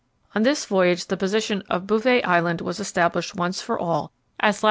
On this voyage the position of Bouvet Island was established once for all as lat.